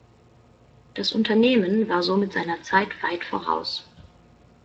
Das Unternehmen war somit seiner Zeit weit voraus.